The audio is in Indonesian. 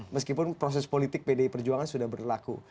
meskipun proses politik pdi perjuangan sudah berlaku